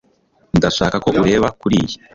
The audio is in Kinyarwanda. ndashaka ko ureba kuriyi